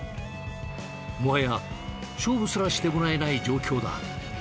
もはや勝負すらしてもらえない状況だ。